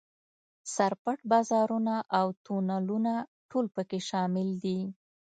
سر پټ بازارونه او تونلونه ټول په کې شامل دي.